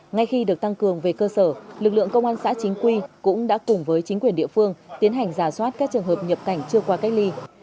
ngay khi được tăng cường về cơ sở lực lượng công an xã chính quy cũng đã cùng với chính quyền địa phương tiến hành giả soát các trường hợp nhập cảnh chưa qua cách ly